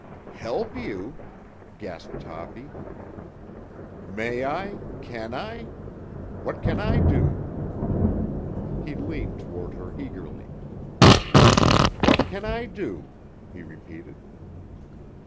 "Help you?" gasped Toppy. "May I? Can I? What can I do?" He leaned toward her eagerly. "What can I do" he repeated.